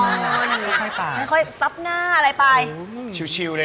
หมวกปีกดีกว่าหมวกปีกดีกว่า